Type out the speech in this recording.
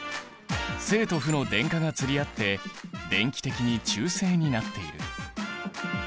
正と負の電荷が釣り合って電気的に中性になっている。